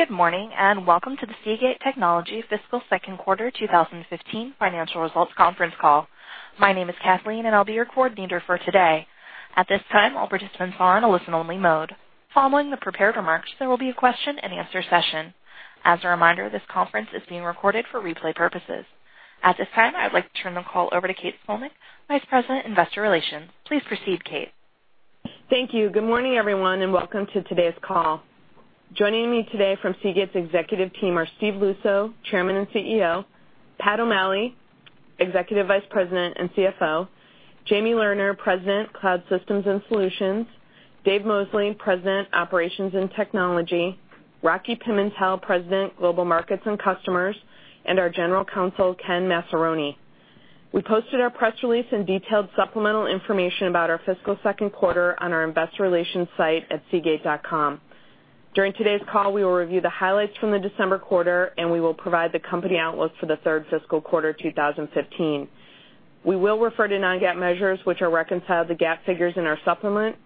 Good morning, and welcome to the Seagate Technology fiscal second quarter 2015 financial results conference call. My name is Kathleen, and I will be your coordinator for today. At this time, all participants are in a listen-only mode. Following the prepared remarks, there will be a question-and-answer session. As a reminder, this conference is being recorded for replay purposes. At this time, I would like to turn the call over to Kate Dolm, Vice President, Investor Relations. Please proceed, Kate. Thank you. Good morning, everyone, and welcome to today's call. Joining me today from Seagate's executive team are Steve Luczo, Chairman and CEO; Patrick O'Malley, Executive Vice President and CFO; Jamie Lerner, President, Cloud Systems and Solutions; Dave Mosley, President, Operations and Technology; Rocky Pimentel, President, Global Markets and Customers; and our General Counsel, Ken Massaroni. We posted our press release and detailed supplemental information about our fiscal second quarter on our investor relations site at seagate.com. During today's call, we will review the highlights from the December quarter, and we will provide the company outlook for the third fiscal quarter 2015. We will refer to non-GAAP measures, which are reconciled to GAAP figures in our supplement.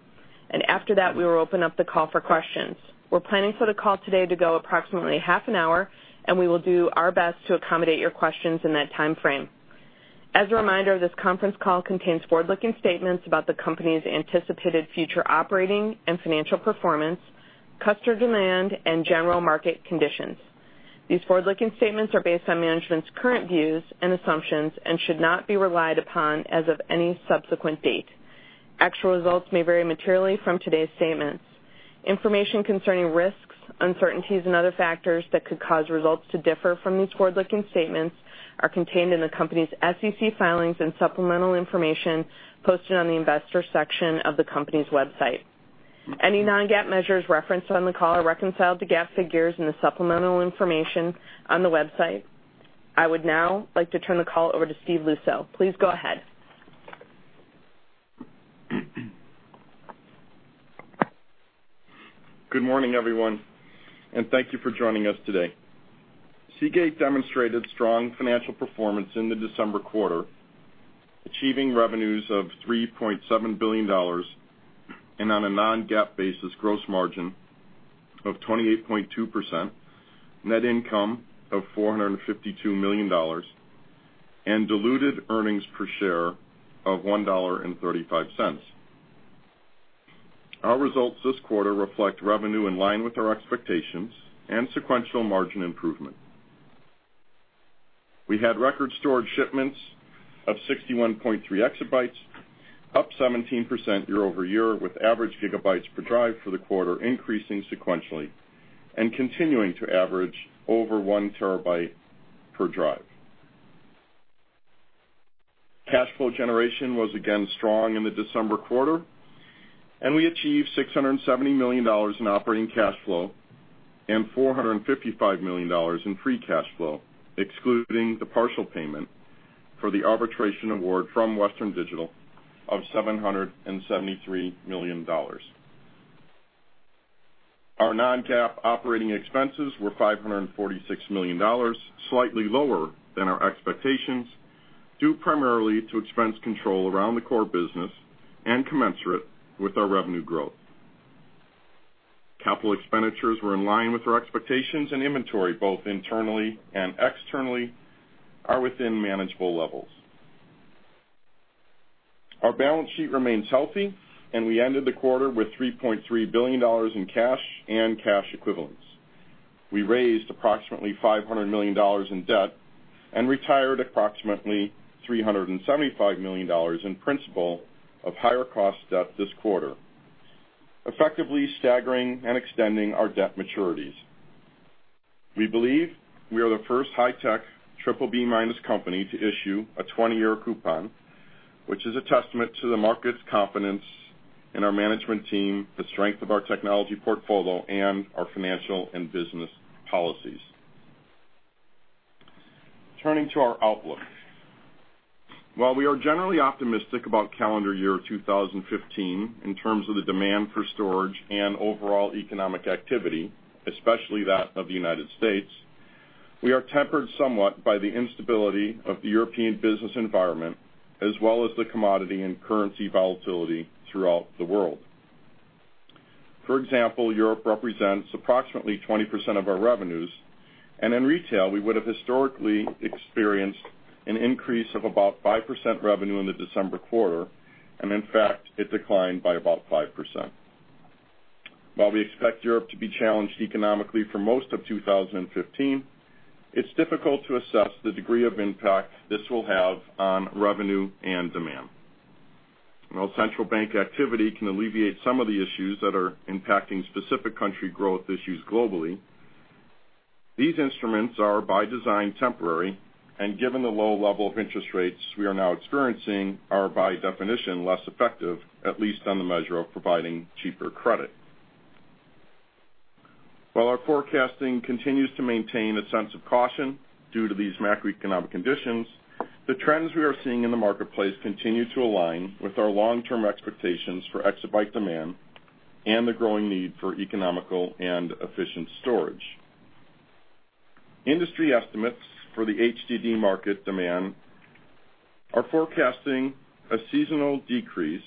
After that, we will open up the call for questions. We are planning for the call today to go approximately half an hour, and we will do our best to accommodate your questions in that timeframe. As a reminder, this conference call contains forward-looking statements about the company's anticipated future operating and financial performance, customer demand, and general market conditions. These forward-looking statements are based on management's current views and assumptions and should not be relied upon as of any subsequent date. Actual results may vary materially from today's statements. Information concerning risks, uncertainties, and other factors that could cause results to differ from these forward-looking statements are contained in the company's SEC filings and supplemental information posted on the investor section of the company's website. Any non-GAAP measures referenced on the call are reconciled to GAAP figures in the supplemental information on the website. I would now like to turn the call over to Steve Luczo. Please go ahead. Good morning, everyone, and thank you for joining us today. Seagate demonstrated strong financial performance in the December quarter, achieving revenues of $3.7 billion, and on a non-GAAP basis, gross margin of 28.2%, net income of $452 million, and diluted earnings per share of $1.35. Our results this quarter reflect revenue in line with our expectations and sequential margin improvement. We had record storage shipments of 61.3 exabytes, up 17% year-over-year, with average gigabytes per drive for the quarter increasing sequentially and continuing to average over one terabyte per drive. Cash flow generation was again strong in the December quarter, and we achieved $670 million in operating cash flow and $455 million in free cash flow, excluding the partial payment for the arbitration award from Western Digital of $773 million. Our non-GAAP operating expenses were $546 million, slightly lower than our expectations, due primarily to expense control around the core business and commensurate with our revenue growth. Capital expenditures were in line with our expectations, and inventory, both internally and externally, are within manageable levels. Our balance sheet remains healthy, and we ended the quarter with $3.3 billion in cash and cash equivalents. We raised approximately $500 million in debt and retired approximately $375 million in principal of higher-cost debt this quarter, effectively staggering and extending our debt maturities. We believe we are the first high-tech BBB- company to issue a 20-year coupon, which is a testament to the market's confidence in our management team, the strength of our technology portfolio, and our financial and business policies. Turning to our outlook. While we are generally optimistic about calendar year 2015 in terms of the demand for storage and overall economic activity, especially that of the United States, we are tempered somewhat by the instability of the European business environment, as well as the commodity and currency volatility throughout the world. For example, Europe represents approximately 20% of our revenues, and in retail, we would have historically experienced an increase of about 5% revenue in the December quarter, and in fact, it declined by about 5%. While we expect Europe to be challenged economically for most of 2015, it's difficult to assess the degree of impact this will have on revenue and demand. While central bank activity can alleviate some of the issues that are impacting specific country growth issues globally, these instruments are by design temporary, and given the low level of interest rates we are now experiencing, are by definition less effective, at least on the measure of providing cheaper credit. While our forecasting continues to maintain a sense of caution due to these macroeconomic conditions, the trends we are seeing in the marketplace continue to align with our long-term expectations for exabyte demand and the growing need for economical and efficient storage. Industry estimates for the HDD market demand are forecasting a seasonal decrease.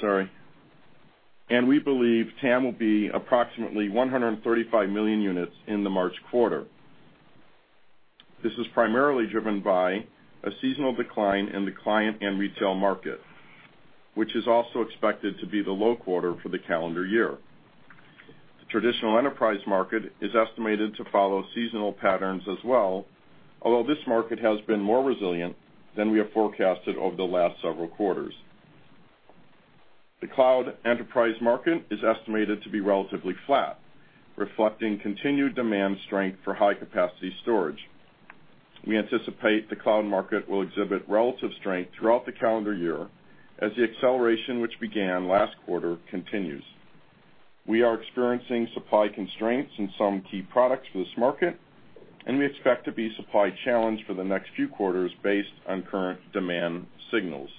Sorry. We believe TAM will be approximately 135 million units in the March quarter. This is primarily driven by a seasonal decline in the client and retail market, which is also expected to be the low quarter for the calendar year. The traditional enterprise market is estimated to follow seasonal patterns as well, although this market has been more resilient than we have forecasted over the last several quarters. The cloud enterprise market is estimated to be relatively flat, reflecting continued demand strength for high-capacity storage. We anticipate the cloud market will exhibit relative strength throughout the calendar year as the acceleration, which began last quarter, continues. We are experiencing supply constraints in some key products for this market, and we expect to be supply-challenged for the next few quarters based on current demand signals.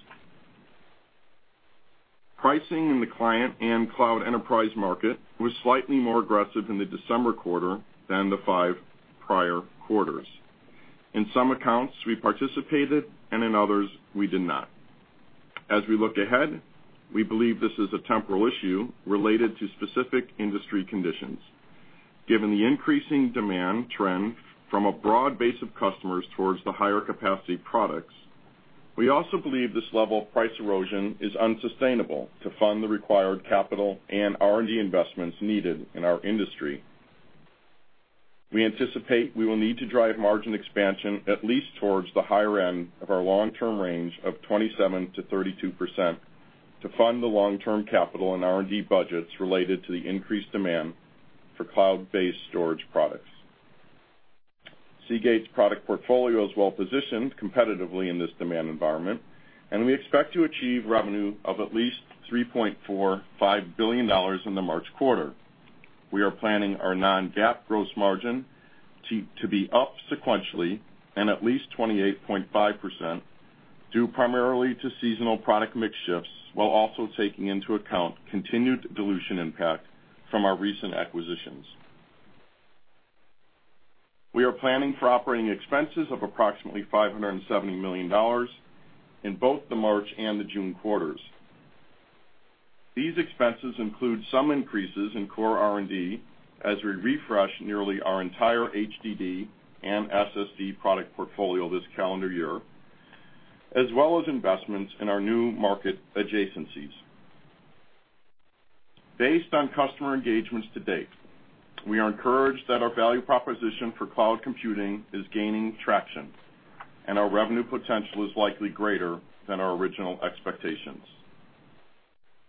Pricing in the client and cloud enterprise market was slightly more aggressive in the December quarter than the five prior quarters. In some accounts, we participated, and in others, we did not. As we look ahead, we believe this is a temporal issue related to specific industry conditions. Given the increasing demand trend from a broad base of customers towards the higher-capacity products, we also believe this level of price erosion is unsustainable to fund the required capital and R&D investments needed in our industry. We anticipate we will need to drive margin expansion at least towards the higher end of our long-term range of 27%-32% to fund the long-term capital and R&D budgets related to the increased demand for cloud-based storage products. Seagate's product portfolio is well-positioned competitively in this demand environment, and we expect to achieve revenue of at least $3.45 billion in the March quarter. We are planning our non-GAAP gross margin to be up sequentially and at least 28.5%, due primarily to seasonal product mix shifts, while also taking into account continued dilution impact from our recent acquisitions. We are planning for operating expenses of approximately $570 million in both the March and the June quarters. These expenses include some increases in core R&D as we refresh nearly our entire HDD and SSD product portfolio this calendar year, as well as investments in our new market adjacencies. Based on customer engagements to date, we are encouraged that our value proposition for cloud computing is gaining traction. Our revenue potential is likely greater than our original expectations.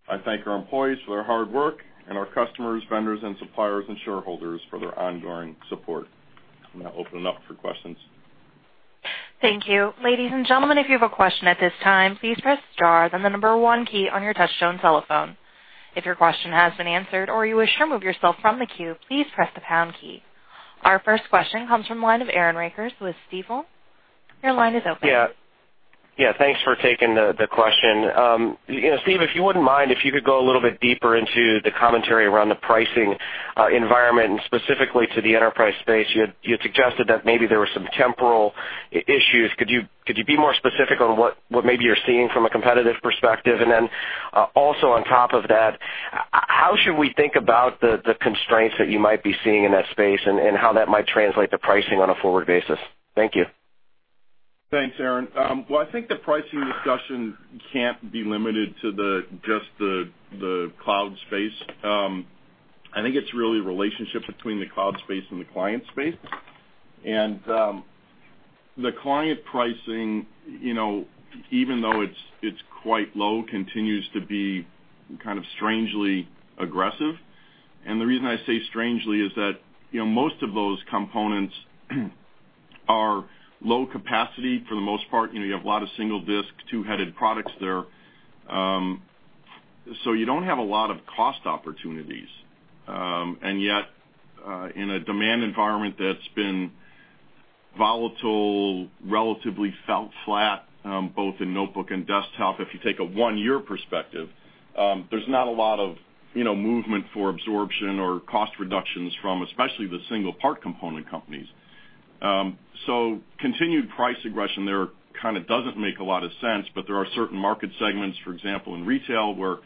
I thank our employees for their hard work and our customers, vendors, and suppliers, and shareholders for their ongoing support. I'm going to open it up for questions. Thank you. Ladies and gentlemen, if you have a question at this time, please press star, then the number 1 key on your touchtone telephone. If your question has been answered or you wish to remove yourself from the queue, please press the pound key. Our first question comes from the line of Aaron Rakers with Stifel. Your line is open. Yeah. Thanks for taking the question. Steve, if you wouldn't mind, if you could go a little bit deeper into the commentary around the pricing environment and specifically to the enterprise space. You had suggested that maybe there were some temporal issues. Could you be more specific on what maybe you're seeing from a competitive perspective? Then also on top of that, how should we think about the constraints that you might be seeing in that space and how that might translate to pricing on a forward basis? Thank you. Thanks, Aaron. I think the pricing discussion can't be limited to just the cloud space. I think it's really a relationship between the cloud space and the client space. The client pricing, even though it's quite low, continues to be kind of strangely aggressive. The reason I say strangely is that most of those components are low capacity for the most part. You have a lot of single-disk, two-headed products there, so you don't have a lot of cost opportunities. Yet, in a demand environment that's been volatile, relatively flat, both in notebook and desktop, if you take a one-year perspective, there's not a lot of movement for absorption or cost reductions from especially the single part component companies. Continued price aggression there kind of doesn't make a lot of sense, but there are certain market segments, for example, in retail, where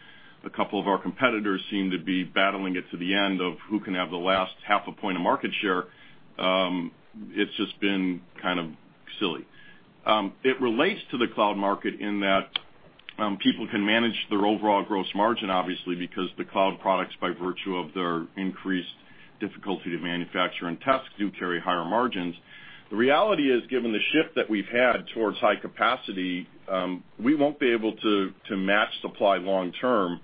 a couple of our competitors seem to be battling it to the end of who can have the last half a point of market share. It's just been kind of silly. It relates to the cloud market in that people can manage their overall gross margin, obviously, because the cloud products, by virtue of their increased difficulty to manufacture and test, do carry higher margins. The reality is, given the shift that we've had towards high capacity, we won't be able to match supply long term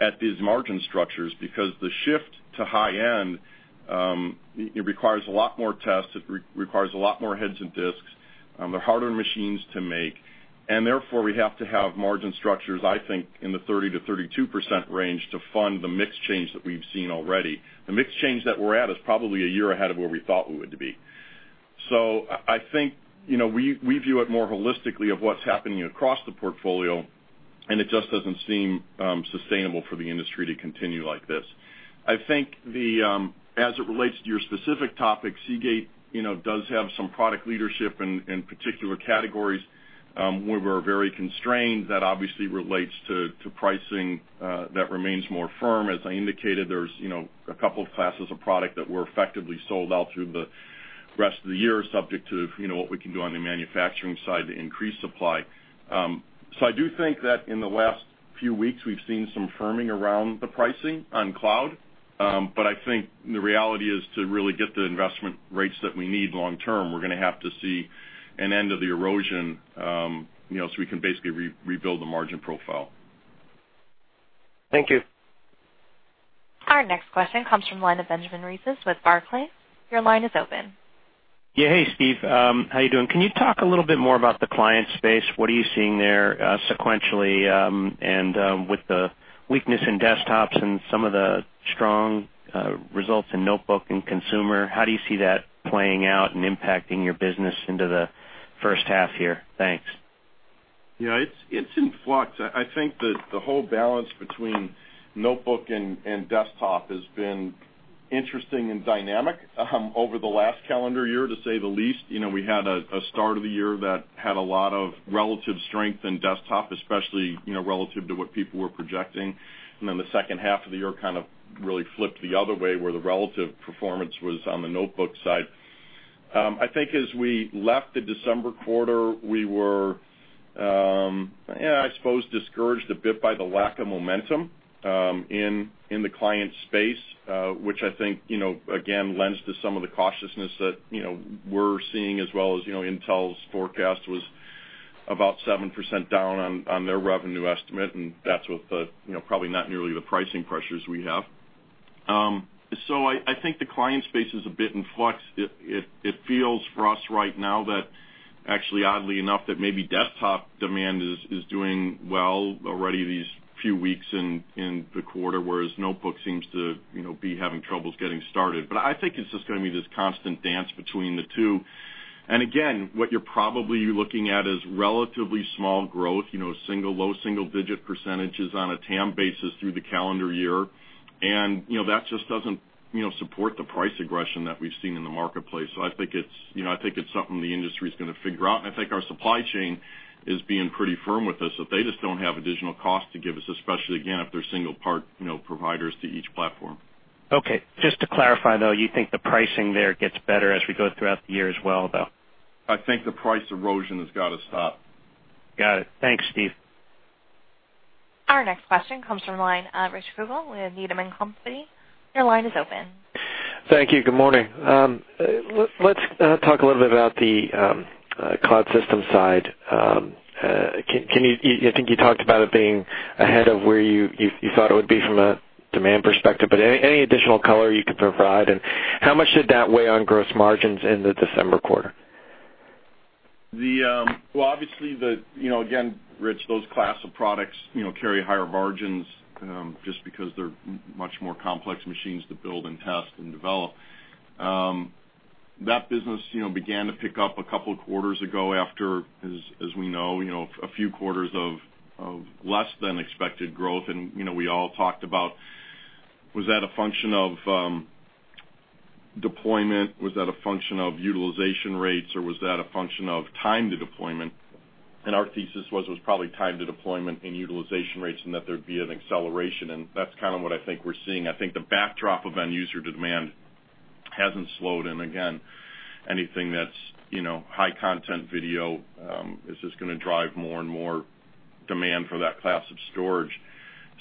at these margin structures because the shift to high-end requires a lot more tests, it requires a lot more heads and disks. They're harder machines to make. Therefore, we have to have margin structures, I think, in the 30%-32% range to fund the mix change that we've seen already. The mix change that we're at is probably a year ahead of where we thought we would be. I think we view it more holistically of what's happening across the portfolio. It just doesn't seem sustainable for the industry to continue like this. I think as it relates to your specific topic, Seagate does have some product leadership in particular categories where we're very constrained. That obviously relates to pricing that remains more firm. As I indicated, there's a couple of classes of product that were effectively sold out through the rest of the year, subject to what we can do on the manufacturing side to increase supply. I do think that in the last few weeks, we've seen some firming around the pricing on cloud. I think the reality is to really get the investment rates that we need long-term, we're going to have to see an end of the erosion so we can basically rebuild the margin profile. Thank you. Our next question comes from the line of Benjamin Reitzes with Barclays. Your line is open. Yeah. Hey, Steve. How you doing? Can you talk a little bit more about the client space? What are you seeing there sequentially? With the weakness in desktops and some of the strong results in notebook and consumer, how do you see that playing out and impacting your business into the first half here? Thanks. Yeah, it's in flux. I think that the whole balance between notebook and desktop has been interesting and dynamic over the last calendar year, to say the least. We had a start of the year that had a lot of relative strength in desktop, especially relative to what people were projecting. Then the second half of the year kind of really flipped the other way, where the relative performance was on the notebook side. I think as we left the December quarter, we were, I suppose, discouraged a bit by the lack of momentum in the client space, which I think, again, lends to some of the cautiousness that we're seeing as well as Intel's forecast was about 7% down on their revenue estimate, and that's with probably not nearly the pricing pressures we have. I think the client space is a bit in flux. It feels for us right now that actually, oddly enough, that maybe desktop demand is doing well already these few weeks in the quarter, whereas notebook seems to be having troubles getting started. I think it's just going to be this constant dance between the two. Again, what you're probably looking at is relatively small growth, low single-digit percentages on a TAM basis through the calendar year. That just doesn't support the price aggression that we've seen in the marketplace. I think it's something the industry's going to figure out, and I think our supply chain is being pretty firm with us that they just don't have additional cost to give us, especially, again, if they're single part providers to each platform. Okay. Just to clarify, though, you think the pricing there gets better as we go throughout the year as well, though? I think the price erosion has got to stop. Got it. Thanks, Steve. Our next question comes from the line of Rich Kugele with Needham & Company. Your line is open. Thank you. Good morning. Let's talk a little bit about the cloud system side. I think you talked about it being ahead of where you thought it would be from a demand perspective, but any additional color you could provide, and how much did that weigh on gross margins in the December quarter? Well, obviously, again, Rich, those class of products carry higher margins, just because they're much more complex machines to build and test and develop. That business began to pick up a couple of quarters ago after, as we know, a few quarters of less than expected growth. We all talked about, was that a function of deployment? Was that a function of utilization rates, or was that a function of time to deployment? Our thesis was it was probably time to deployment and utilization rates and that there'd be an acceleration, and that's kind of what I think we're seeing. I think the backdrop of end user demand hasn't slowed. Again, anything that's high content video is just going to drive more and more demand for that class of storage.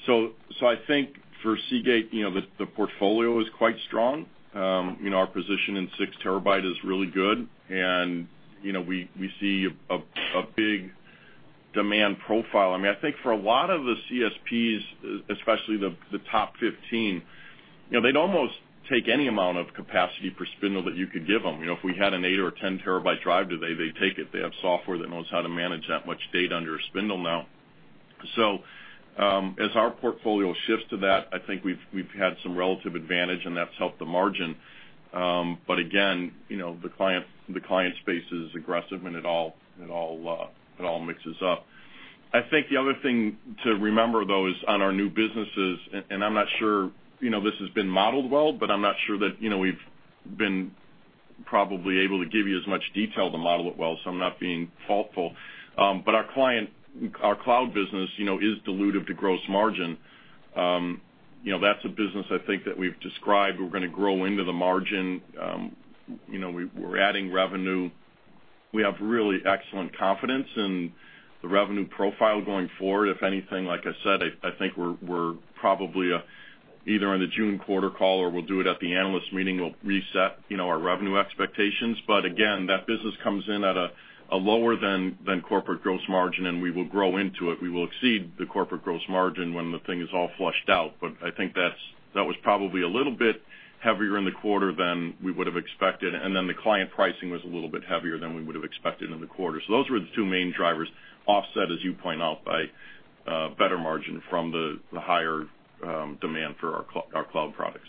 I think for Seagate, the portfolio is quite strong. Our position in six terabyte is really good, and we see a big demand profile. I think for a lot of the CSPs, especially the top 15, they'd almost take any amount of capacity per spindle that you could give them. If we had an eight or 10 terabyte drive today, they'd take it. They have software that knows how to manage that much data under a spindle now. As our portfolio shifts to that, I think we've had some relative advantage, and that's helped the margin. Again, the client space is aggressive, and it all mixes up. I think the other thing to remember, though, is on our new businesses, and I'm not sure this has been modeled well, but I'm not sure that we've been probably able to give you as much detail to model it well, so I'm not being faultful. Our cloud business is dilutive to gross margin. That's a business I think that we've described we're going to grow into the margin. We're adding revenue. We have really excellent confidence in the revenue profile going forward. If anything, like I said, I think we're probably either on the June quarter call or we'll do it at the analyst meeting, we'll reset our revenue expectations. Again, that business comes in at a lower than corporate gross margin, and we will grow into it. We will exceed the corporate gross margin when the thing is all flushed out. I think that was probably a little bit heavier in the quarter than we would have expected. The client pricing was a little bit heavier than we would have expected in the quarter. Those were the two main drivers, offset, as you point out, by better margin from the higher demand for our cloud products.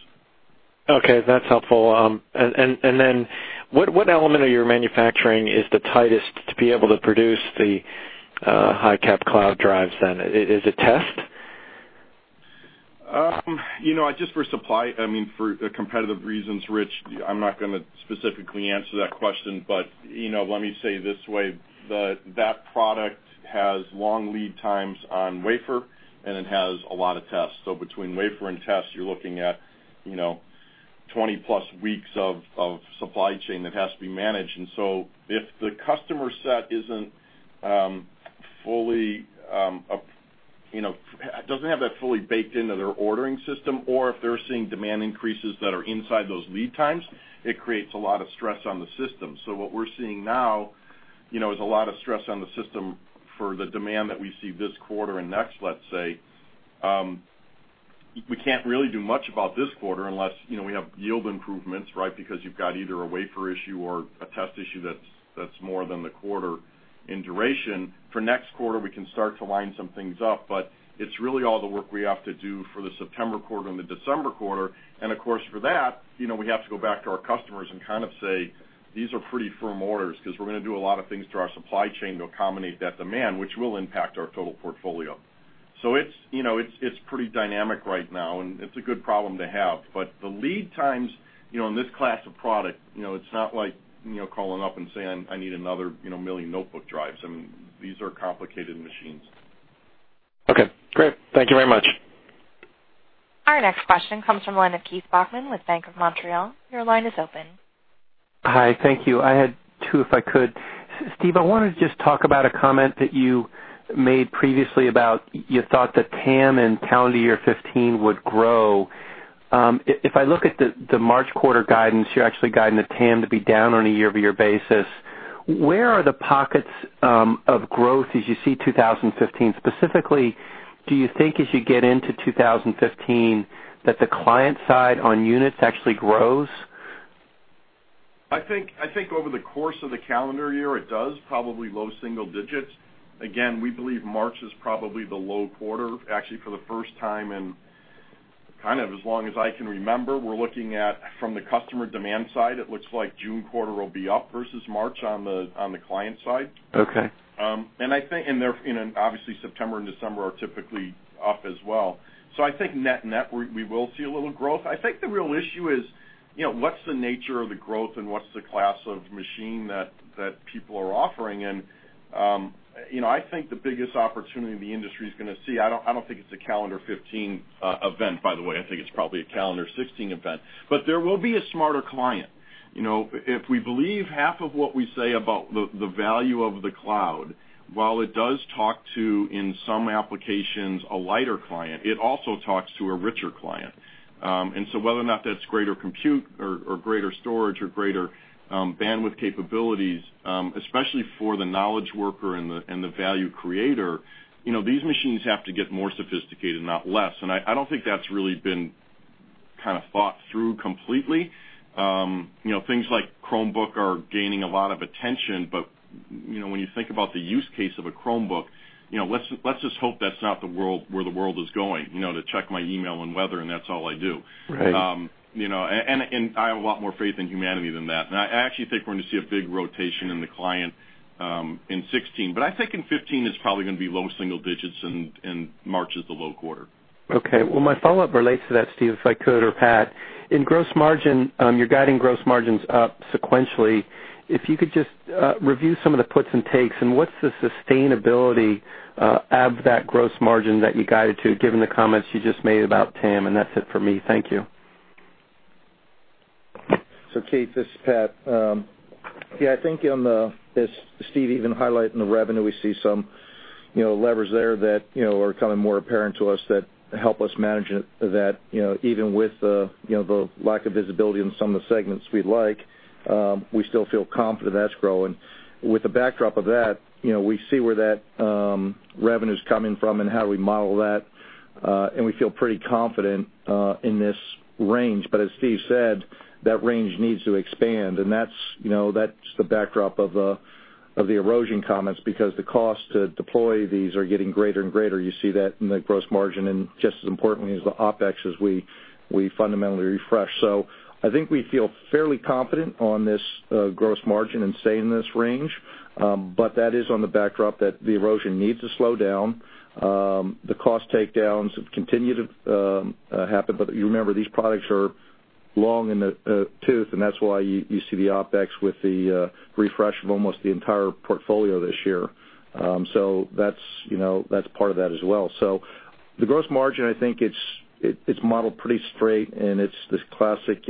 Okay, that's helpful. What element of your manufacturing is the tightest to be able to produce the high cap cloud drives then? Is it test? Just for supply, for competitive reasons, Rich, I'm not going to specifically answer that question, but let me say this way, that product has long lead times on wafer, and it has a lot of tests. Between wafer and tests, you're looking at 20+ weeks of supply chain that has to be managed. If the customer set doesn't have that fully baked into their ordering system, or if they're seeing demand increases that are inside those lead times, it creates a lot of stress on the system. What we're seeing now, is a lot of stress on the system for the demand that we see this quarter and next, let's say. We can't really do much about this quarter unless we have yield improvements, right? Because you've got either a wafer issue or a test issue that's more than the quarter in duration. It's really all the work we have to do for the September quarter and the December quarter. Of course, for that, we have to go back to our customers and say, "These are pretty firm orders, because we're going to do a lot of things through our supply chain to accommodate that demand, which will impact our total portfolio." It's pretty dynamic right now, and it's a good problem to have. The lead times in this class of product, it's not like calling up and saying, "I need another million notebook drives." These are complicated machines. Okay, great. Thank you very much. Our next question comes from the line of Keith Bachman with Bank of Montreal. Your line is open. Hi, thank you. I had two, if I could. Steve, I want to just talk about a comment that you made previously about you thought that TAM in calendar year 2015 would grow. If I look at the March quarter guidance, you're actually guiding the TAM to be down on a year-over-year basis. Where are the pockets of growth as you see 2015? Specifically, do you think as you get into 2015 that the client side on units actually grows? I think over the course of the calendar year, it does, probably low single digits. Again, we believe March is probably the low quarter, actually for the first time in as long as I can remember. We're looking at, from the customer demand side, it looks like June quarter will be up versus March on the client side. Okay. Obviously September and December are typically up as well. I think net we will see a little growth. I think the real issue is what's the nature of the growth and what's the class of machine that people are offering? I think the biggest opportunity the industry's going to see, I don't think it's a calendar 2015 event, by the way. I think it's probably a calendar 2016 event. There will be a smarter client. If we believe half of what we say about the value of the cloud, while it does talk to, in some applications, a lighter client, it also talks to a richer client. Whether or not that's greater compute or greater storage or greater bandwidth capabilities, especially for the knowledge worker and the value creator, these machines have to get more sophisticated, not less. I don't think that's really been thought through completely. Things like Chromebook are gaining a lot of attention, but when you think about the use case of a Chromebook, let's just hope that's not where the world is going, to check my email and weather and that's all I do. Right. I have a lot more faith in humanity than that. I actually think we're going to see a big rotation in the client in 2016. I think in 2015, it's probably going to be low single digits and March is the low quarter. Okay. Well, my follow-up relates to that, Steve, if I could, or Pat. In gross margin, you're guiding gross margins up sequentially. If you could just review some of the puts and takes, and what's the sustainability of that gross margin that you guided to, given the comments you just made about TAM, and that's it for me. Thank you. Keith, this is Pat. Yeah, I think as Steve even highlighted in the revenue, we see some levers there that are becoming more apparent to us that help us manage that, even with the lack of visibility in some of the segments we'd like, we still feel confident that's growing. With the backdrop of that, we see where that revenue's coming from and how we model that, and we feel pretty confident in this range. As Steve said, that range needs to expand, and that's the backdrop of the erosion comments because the cost to deploy these are getting greater and greater. You see that in the gross margin and just as importantly as the OpEx as we fundamentally refresh. I think we feel fairly confident on this gross margin and staying in this range. That is on the backdrop that the erosion needs to slow down. The cost takedowns have continued to happen, but you remember, these products are long in the tooth, and that's why you see the OpEx with the refresh of almost the entire portfolio this year. That's part of that as well. The gross margin, I think it's modeled pretty straight, and it's this classic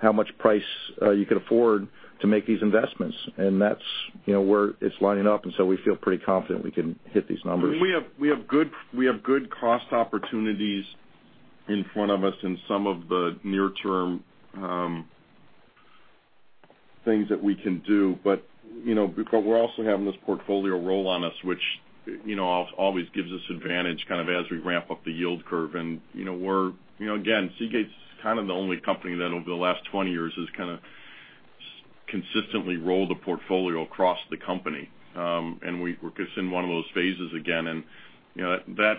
how much price you can afford to make these investments. That's where it's lining up, we feel pretty confident we can hit these numbers. We have good cost opportunities in front of us in some of the near-term things that we can do. We're also having this portfolio roll on us, which always gives us advantage as we ramp up the yield curve. Again, Seagate's kind of the only company that over the last 20 years has kind of consistently roll the portfolio across the company. We're just in one of those phases again, and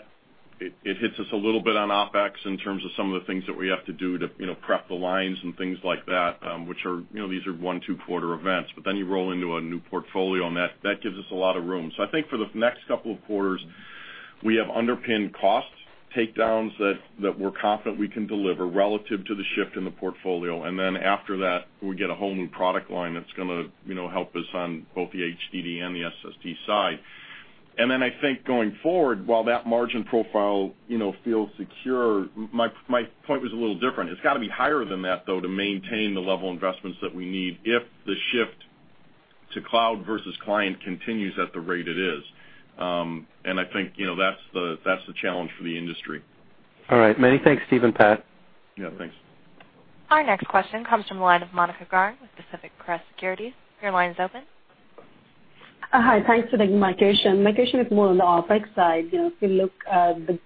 it hits us a little bit on OpEx in terms of some of the things that we have to do to prep the lines and things like that, which these are one, two-quarter events. You roll into a new portfolio, and that gives us a lot of room. I think for the next couple of quarters, we have underpinned cost takedowns that we're confident we can deliver relative to the shift in the portfolio. After that, we get a whole new product line that's going to help us on both the HDD and the SSD side. I think going forward, while that margin profile feels secure, my point was a little different. It's got to be higher than that, though, to maintain the level of investments that we need if the shift to cloud versus client continues at the rate it is. I think that's the challenge for the industry. All right. Many thanks, Steve and Pat. Yeah, thanks. Our next question comes from the line of Monika Garg with Pacific Crest Securities. Your line is open. Hi, thanks for the invitation. My question is more on the OpEx side. If you look at the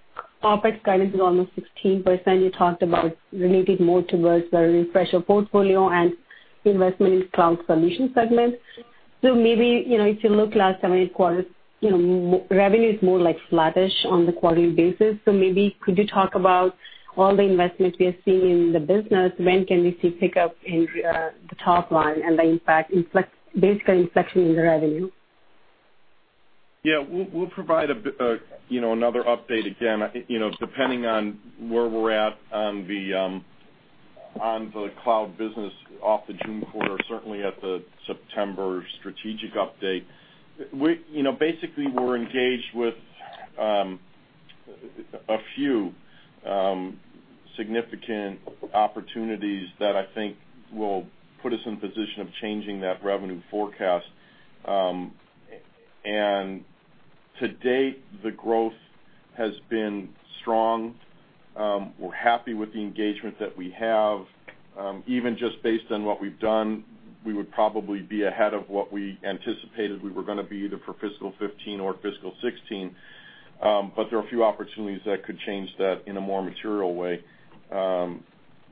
OpEx guidance is almost 16%. You talked about relating more towards the refresher portfolio and investment in cloud solution segments. Maybe, if you look last how many quarters, revenue is more like flattish on the quarterly basis. Maybe could you talk about all the investments we are seeing in the business? When can we see pickup in the top line and the impact, basically inflection in the revenue? Yeah, we'll provide another update again, depending on where we're at on the cloud business off the June quarter, certainly at the September strategic update. Basically, we're engaged with a few significant opportunities that I think will put us in position of changing that revenue forecast. To date, the growth has been strong. We're happy with the engagement that we have. Even just based on what we've done, we would probably be ahead of what we anticipated we were going to be either for fiscal 2015 or fiscal 2016. There are a few opportunities that could change that in a more material way,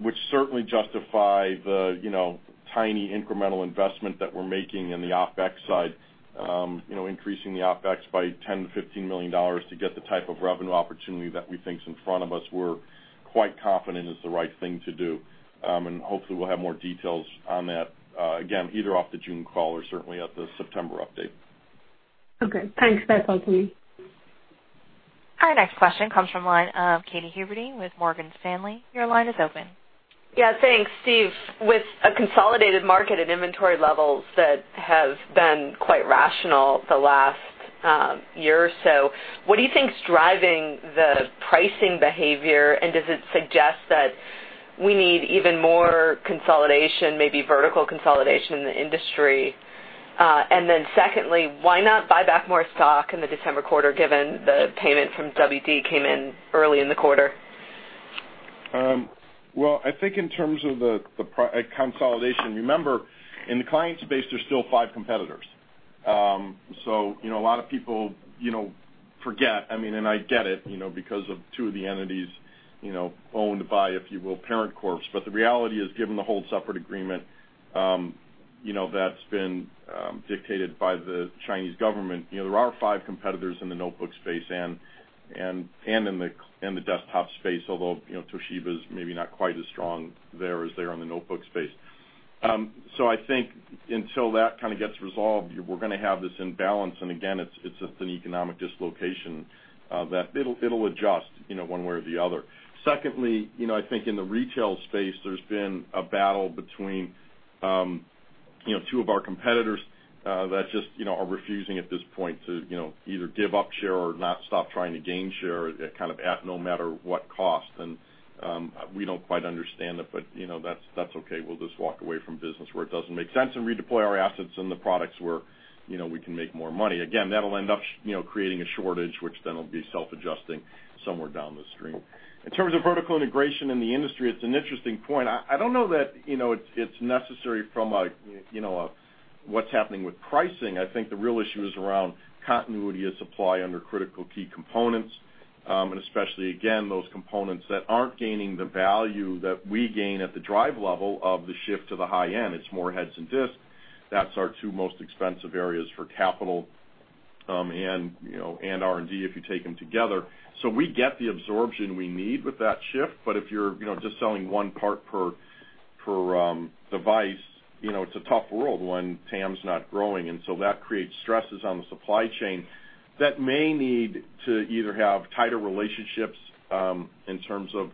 which certainly justify the tiny incremental investment that we're making in the OpEx side. Increasing the OpEx by $10 million-$15 million to get the type of revenue opportunity that we think is in front of us, we're quite confident is the right thing to do. Hopefully, we'll have more details on that, again, either off the June call or certainly at the September update. Okay. Thanks, Pat. Thanks, Steve. Our next question comes from the line of Katy Huberty with Morgan Stanley. Your line is open. Yeah, thanks, Steve. With a consolidated market at inventory levels that have been quite rational the last year or so, what do you think is driving the pricing behavior, and does it suggest that we need even more consolidation, maybe vertical consolidation in the industry? Secondly, why not buy back more stock in the December quarter, given the payment from WD came in early in the quarter? Well, I think in terms of the consolidation, remember, in the client space, there's still five competitors. A lot of people forget, and I get it, because of two of the entities owned by, if you will, parent corps. The reality is, given the whole separate agreement that's been dictated by the Chinese government, there are five competitors in the notebook space and in the desktop space, although Toshiba is maybe not quite as strong there as they are on the notebook space. I think until that gets resolved, we're going to have this imbalance, and again, it's just an economic dislocation that it'll adjust one way or the other. Secondly, I think in the retail space, there's been a battle between two of our competitors that just are refusing at this point to either give up share or not stop trying to gain share at no matter what cost. We don't quite understand it, but that's okay. We'll just walk away from business where it doesn't make sense and redeploy our assets in the products where we can make more money. Again, that'll end up creating a shortage, which then will be self-adjusting somewhere down the stream. In terms of vertical integration in the industry, it's an interesting point. I don't know that it's necessary from what's happening with pricing. I think the real issue is around continuity of supply under critical key components, and especially, again, those components that aren't gaining the value that we gain at the drive level of the shift to the high end. It's more heads and disks. That's our two most expensive areas for capital and R&D if you take them together. We get the absorption we need with that shift, but if you're just selling one part per device, it's a tough world when TAM is not growing. That creates stresses on the supply chain that may need to either have tighter relationships in terms of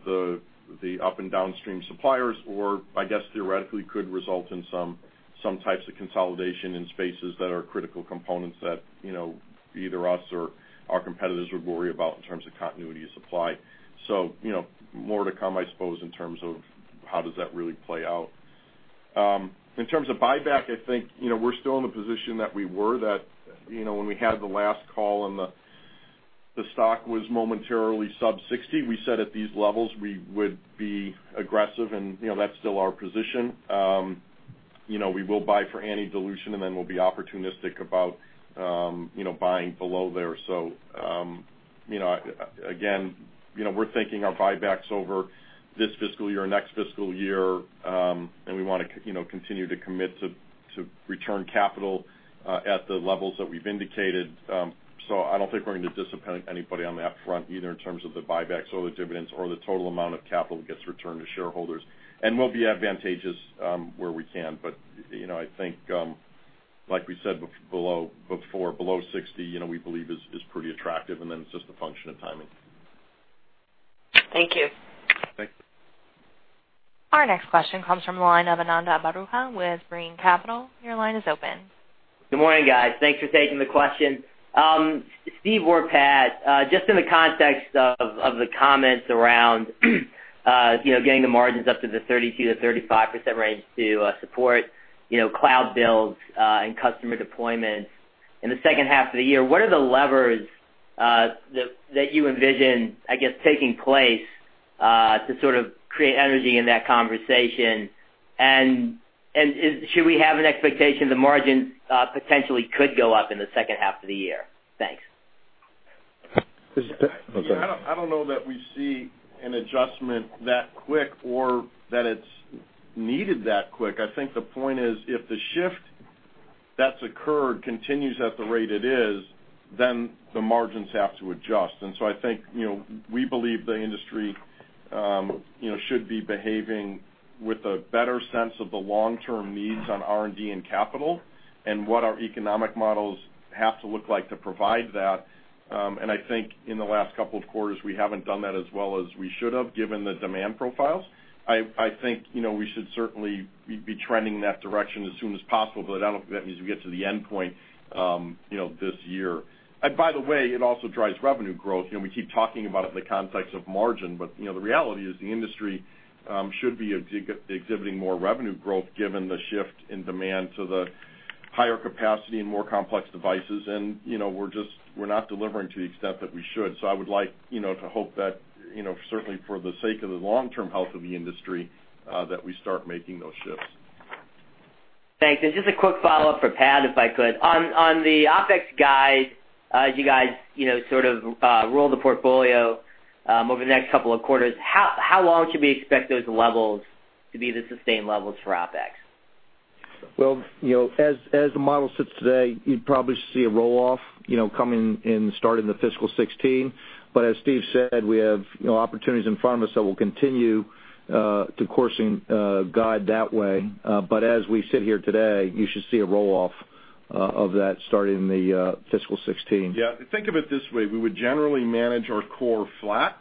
the up- and downstream suppliers, or I guess theoretically could result in some types of consolidation in spaces that are critical components that either us or our competitors would worry about in terms of continuity of supply. More to come, I suppose, in terms of how does that really play out. In terms of buyback, I think we're still in the position that we were that when we had the last call and the stock was momentarily sub $60. We said at these levels we would be aggressive and that's still our position. We will buy for any dilution and then we'll be opportunistic about buying below there. Again, we're thinking our buybacks over this fiscal year, next fiscal year, and we want to continue to commit to return capital at the levels that we've indicated. I don't think we're going to disappoint anybody on that front, either in terms of the buybacks or the dividends or the total amount of capital that gets returned to shareholders. We'll be advantageous where we can, but I think, like we said before, below $60, we believe is pretty attractive, and then it's just a function of timing. Thank you. Thank you. Our next question comes from the line of Ananda Baruah with Brean Capital. Your line is open. Good morning, guys. Thanks for taking the question. Steve or Pat, just in the context of the comments around getting the margins up to the 32%-35% range to support cloud builds and customer deployments in the second half of the year, what are the levers that you envision, I guess, taking place to sort of create energy in that conversation? Should we have an expectation the margin potentially could go up in the second half of the year? Thanks. I don't know that we see an adjustment that quick or that it's needed that quick. I think the point is if the shift that's occurred continues at the rate it is, then the margins have to adjust. So I think, we believe the industry should be behaving with a better sense of the long-term needs on R&D and capital and what our economic models have to look like to provide that. I think in the last couple of quarters, we haven't done that as well as we should have, given the demand profiles. I think we should certainly be trending in that direction as soon as possible, I don't think that means we get to the endpoint this year. By the way, it also drives revenue growth. We keep talking about it in the context of margin, the reality is the industry should be exhibiting more revenue growth given the shift in demand to the higher capacity and more complex devices. We're not delivering to the extent that we should. I would like to hope that certainly for the sake of the long-term health of the industry, that we start making those shifts. Thanks. Just a quick follow-up for Pat, if I could. On the OpEx guide, as you guys sort of roll the portfolio over the next couple of quarters, how long should we expect those levels to be the sustained levels for OpEx? Well, as the model sits today, you'd probably see a roll-off coming in starting in the fiscal '16. As Steve said, we have opportunities in front of us that will continue to course guide that way. As we sit here today, you should see a roll-off of that starting in the fiscal '16. Yeah. Think of it this way, we would generally manage our core flat.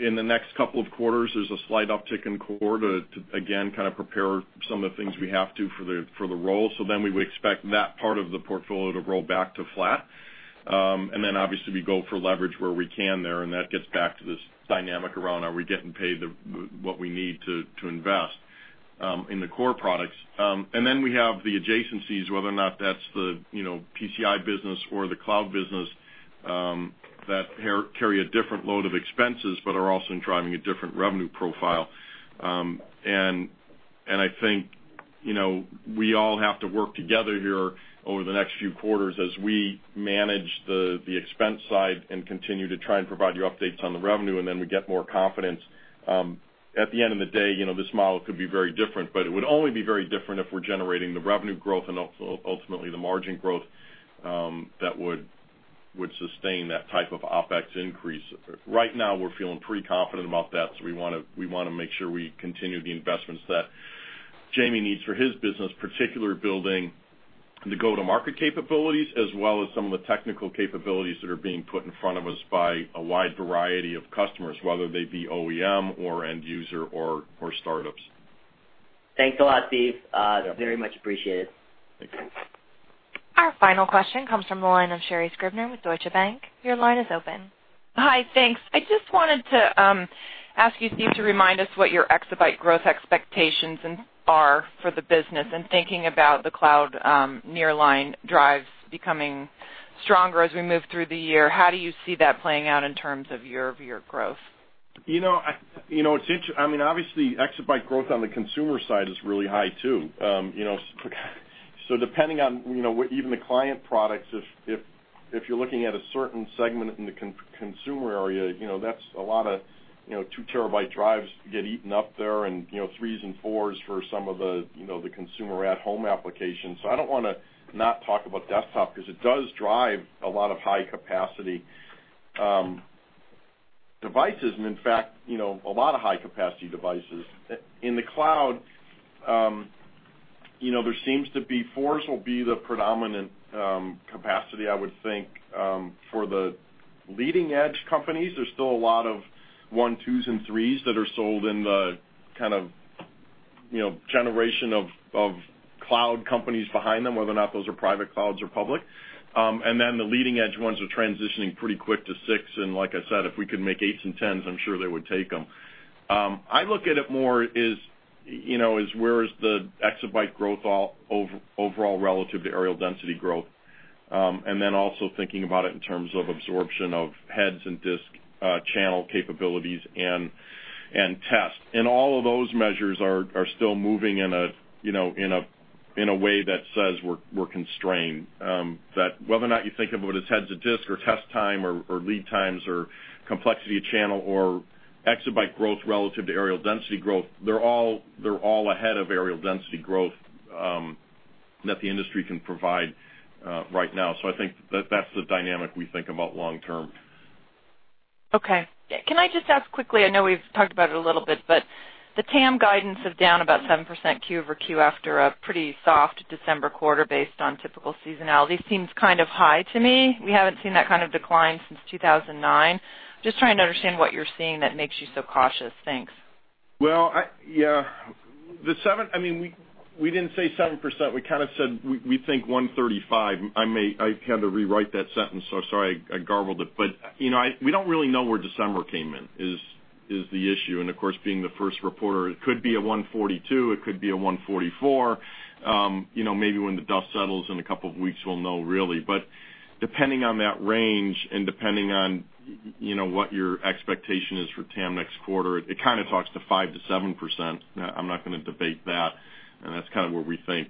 In the next couple of quarters, there's a slight uptick in core to, again, kind of prepare some of the things we have to for the roll. We would expect that part of the portfolio to roll back to flat. Obviously we go for leverage where we can there, and that gets back to this dynamic around are we getting paid what we need to invest in the core products. We have the adjacencies, whether or not that's the PCIe business or the cloud business, that carry a different load of expenses, but are also driving a different revenue profile. I think we all have to work together here over the next few quarters as we manage the expense side and continue to try and provide you updates on the revenue, and then we get more confidence. At the end of the day, this model could be very different, but it would only be very different if we're generating the revenue growth and ultimately the margin growth that would sustain that type of OpEx increase. Right now we're feeling pretty confident about that, so we want to make sure we continue the investments that Jamie needs for his business, particularly building the go-to-market capabilities as well as some of the technical capabilities that are being put in front of us by a wide variety of customers, whether they be OEM or end user or startups. Thanks a lot, Steve. Very much appreciated. Thank you. Our final question comes from the line of Sherri Scribner with Deutsche Bank. Your line is open. Hi, thanks. I just wanted to ask you, Steve, to remind us what your exabyte growth expectations are for the business and thinking about the cloud nearline drives becoming stronger as we move through the year. How do you see that playing out in terms of year-over-year growth? Exabyte growth on the consumer side is really high, too. Depending on even the client products, if you're looking at a certain segment in the consumer area that's a lot of two terabyte drives get eaten up there and threes and fours for some of the consumer at-home applications. I don't want to not talk about desktop because it does drive a lot of high-capacity devices, and in fact, a lot of high-capacity devices. In the cloud, there seems to be fours will be the predominant capacity, I would think, for the leading-edge companies. There's still a lot of one, twos, and threes that are sold in the kind of generation of cloud companies behind them, whether or not those are private clouds or public. The leading-edge ones are transitioning pretty quick to six, and like I said, if we could make eights and 10s, I'm sure they would take them. I look at it more as where is the exabyte growth overall relative to areal density growth, and then also thinking about it in terms of absorption of heads and disk channel capabilities and test. All of those measures are still moving in a way that says we're constrained. That whether or not you think of it as heads to disk or test time or lead times or complexity of channel or exabyte growth relative to areal density growth, they're all ahead of areal density growth that the industry can provide right now. I think that's the dynamic we think about long-term. Okay. Can I just ask quickly, I know we've talked about it a little bit, but the TAM guidance is down about 7% Q over Q after a pretty soft December quarter based on typical seasonality. Seems kind of high to me. We haven't seen that kind of decline since 2009. Just trying to understand what you're seeing that makes you so cautious. Thanks. Well, yeah. We didn't say 7%. We said we think 135. I had to rewrite that sentence, so sorry I garbled it. We don't really know where December came in, is the issue. Being the first reporter, it could be a 142, it could be a 144. Maybe when the dust settles in a couple of weeks we'll know, really. Depending on that range and depending on what your expectation is for TAM next quarter, it kind of talks to 5%-7%. I'm not going to debate that. That's kind of where we think.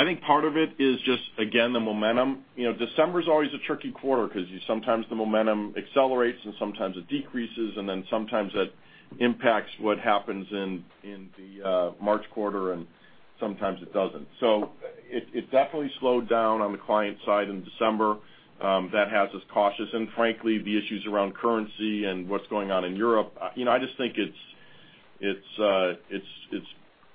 I think part of it is just, again, the momentum. December's always a tricky quarter because sometimes the momentum accelerates, and sometimes it decreases, and then sometimes it impacts what happens in the March quarter, and sometimes it doesn't. It definitely slowed down on the client side in December. That has us cautious, and frankly, the issues around currency and what's going on in Europe, I just think it's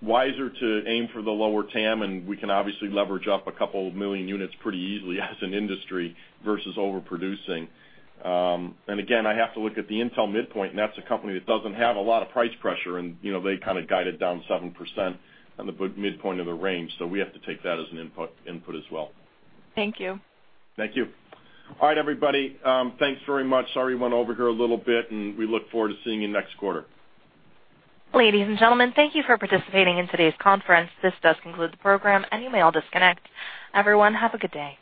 wiser to aim for the lower TAM, and we can obviously leverage up a couple of million units pretty easily as an industry versus overproducing. Again, I have to look at the Intel midpoint, and that's a company that doesn't have a lot of price pressure, and they kind of guided down 7% on the midpoint of the range. We have to take that as an input as well. Thank you. Thank you. All right, everybody. Thanks very much. Sorry we went over here a little bit. We look forward to seeing you next quarter. Ladies and gentlemen, thank you for participating in today's conference. This does conclude the program. You may all disconnect. Everyone, have a good day.